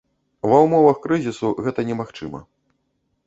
Ва ўмовах крызісу гэта немагчыма.